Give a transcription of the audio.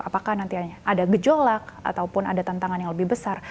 apakah nanti ada gejolak ataupun ada tantangan yang lebih besar